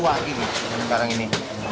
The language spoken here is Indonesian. gue lagi nih sekarang ini